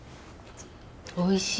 おいしい！